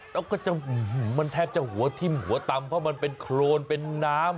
แล้วก็จะมันแทบจะหัวทิ่มหัวตำเพราะมันเป็นโครนเป็นน้ำ